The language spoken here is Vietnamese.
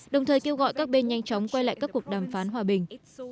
đồng thời kêu gọi các bên nhanh chóng quay lại các cuộc đàm phán hòa bình